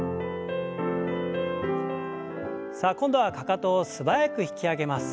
さあ今度はかかとを素早く引き上げます。